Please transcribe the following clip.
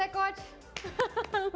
terima kasih banyak